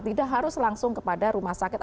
tidak harus langsung kepada rumah sakit